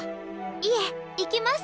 いえ行きます！